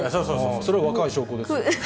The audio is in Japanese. それ、若い証拠ですね。